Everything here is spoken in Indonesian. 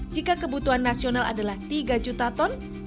jika kebutuhan nasional adalah tiga juta ton